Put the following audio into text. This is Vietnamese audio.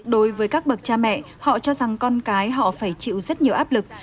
đối với các bậc cha mẹ họ cho rằng con cái họ phải chịu rất nhiều áp lực